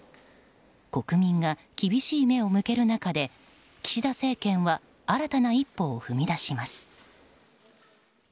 国民が厳しい目を向ける中で岸田政権は新たな一歩を踏み出します。